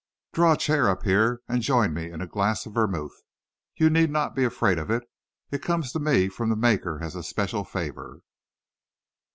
"Draw a chair up here and join me in a glass of vermouth. You need not be afraid of it. It comes to me from the maker as a special favour."